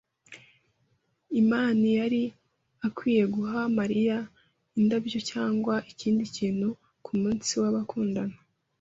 amani yari akwiye guha Mariya indabyo cyangwa ikindi kintu kumunsi w'abakundana.